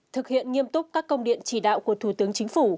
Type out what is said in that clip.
thực hiện nghiêm túc các công điện chỉ đạo của thủ tướng chính phủ